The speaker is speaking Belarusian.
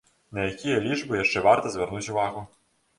На якія лічбы яшчэ варта звярнуць увагу?